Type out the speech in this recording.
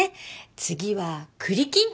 次は栗きんとん。